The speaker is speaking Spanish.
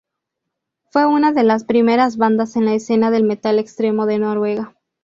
Fue una de las primeras bandas en la escena del metal extremo de Noruega.